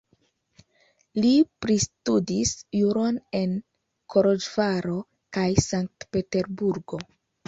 Li pristudis juron en Koloĵvaro kaj Sankt-Peterburgo.